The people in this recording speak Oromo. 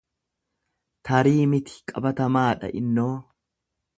Tarii miti qabatamaadha innoo.